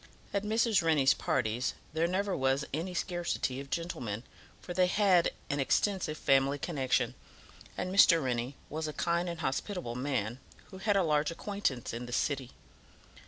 At Mrs. Rennie's parties there never was any scarcity of gentlemen, for they had an extensive family connection, and Mr. Rennie was a kind and hospitable man, who had a large acquaintance in the city.